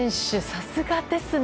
さすがですね。